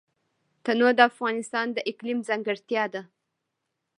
تنوع د افغانستان د اقلیم ځانګړتیا ده.